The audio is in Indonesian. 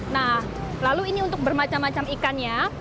nah lalu ini untuk bermacam macam ikannya